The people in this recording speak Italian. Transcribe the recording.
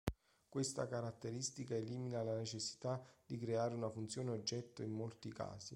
Questa caratteristica elimina la necessità di creare una funzione oggetto in molti casi.